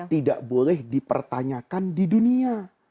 tidak boleh dipertanyakan di dunia